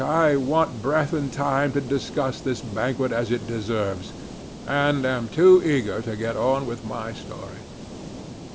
I want breath and time to discuss this banquet as it deserves, and am too eager to get on with my story.